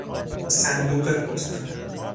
صندوق پست